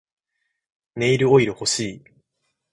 ネイルオイル欲しい